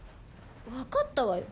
分かったわよ。